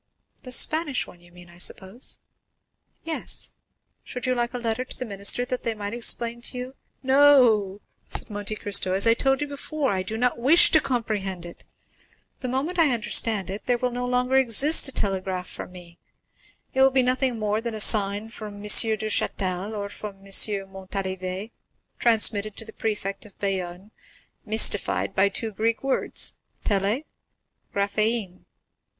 "The Spanish one, you mean, I suppose?" "Yes; should you like a letter to the minister that they might explain to you——" "No," said Monte Cristo; "since, as I told you before, I do not wish to comprehend it. The moment I understand it there will no longer exist a telegraph for me; it will be nothing more than a sign from M. Duchâtel, or from M. Montalivet, transmitted to the prefect of Bayonne, mystified by two Greek words, têle, graphein.